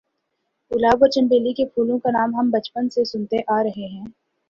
گلاب اور چنبیلی کے پھولوں کا نام ہم بچپن سے سنتے آ رہے ہیں